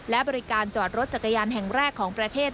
และบริการจอดรถจักรยานแห่งแรกของประเทศ